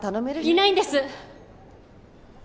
いないんです。